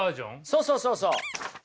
そうそうそうそう。